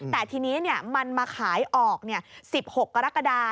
แต่ทีนี้มันมาขายออก๑๖กรกฎา